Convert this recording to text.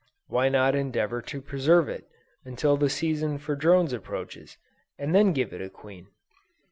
Why not endeavor then to preserve it, until the season for drones approaches, and then give it a queen?